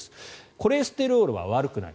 コレステロールは悪くない。